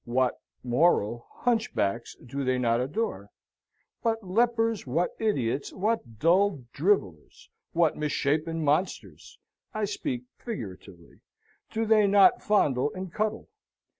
what (moral) hunchbacks do they not adore? what lepers, what idiots, what dull drivellers, what misshapen monsters (I speak figuratively) do they not fondle and cuddle?